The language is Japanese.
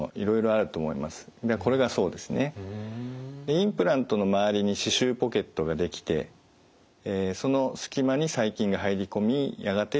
インプラントの周りに歯周ポケットが出来てそのすき間に細菌が入り込みやがて歯石がつきます。